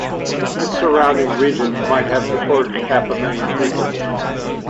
Its surrounding region might have supported half a million people.